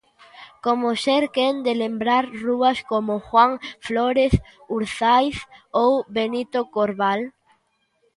Como ser quen de lembrar rúas como Juan Flórez, Urzaiz ou Benito Corbal?